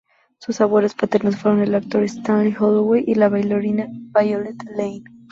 Sus abuelos paternos fueron el actor Stanley Holloway y la bailarina Violet Lane.